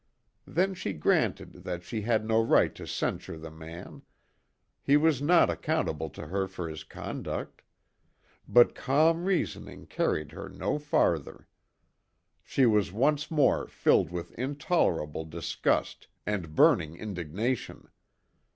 Then she granted that she had no right to censure the man; he was not accountable to her for his conduct; but calm reasoning carried her no farther. She was once more filled with intolerable disgust and burning indignation.